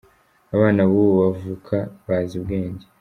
abana bubu bavuka bazi ubwenge.